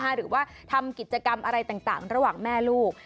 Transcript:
หรือว่าทำกิจกรรมอะไรต่างระหว่างแม่ลูก